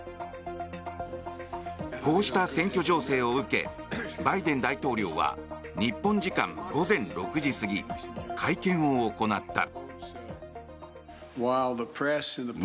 こうした選挙情勢を受けバイデン大統領は日本時間午前６時過ぎ会見を行った。